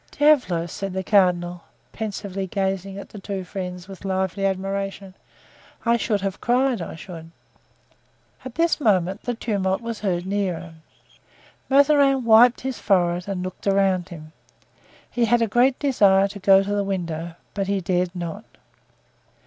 "Diavolo!" said the cardinal, pensively gazing at the two friends with lively admiration; "I should have cried, I should." At this moment the tumult was heard nearer. Mazarin wiped his forehead and looked around him. He had a great desire to go to the window, but he dared not.